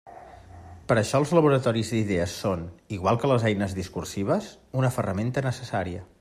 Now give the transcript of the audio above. Per això els laboratoris d'idees són, igual que les eines discursives, una ferramenta necessària.